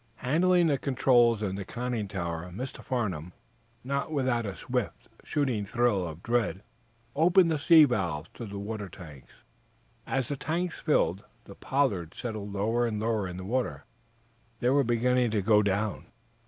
Handling the controls in the conning tower, Mr. Farnum, not without a swift, shooting thrill of dread, opened the sea valves to the water tanks. As the tanks filled the "Pollard" settled lower and lower in the water. They were beginning to go down.